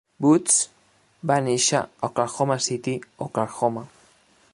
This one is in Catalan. Woods va néixer a Oklahoma City, Oklahoma.